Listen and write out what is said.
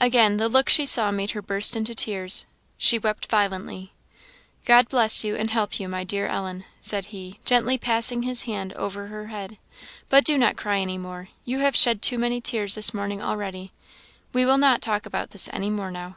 Again the look she saw made her burst into tears. She wept violently. "God bless you, and help you, my dear Ellen!" said he, gently passing his hand over her head; "but do not cry any more you have shed too many tears this morning already. We will not talk about this any more now."